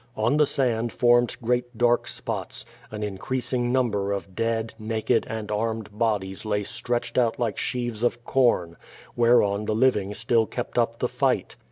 On the sand formed great dark spots. An increas ing number of dead, naked, and armed bodies lay stretched out like sheaves of corn, whereon the living still kept up the fight.